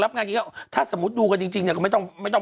งานกินก็ถ้าสมมุติดูกันจริงเนี่ยก็ไม่ต้องไม่ต้อง